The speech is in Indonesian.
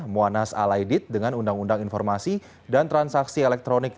muwanaz alaidit dengan undang undang informasi dan transaksi elektronik